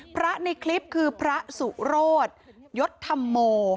ในคลิปคือพระสุโรธยศธรรโม